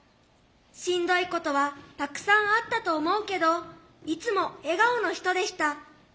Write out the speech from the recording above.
しんどいことはたくさんあったと思うけどいつも笑顔の人でした。